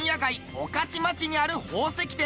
御徒町にある宝石店。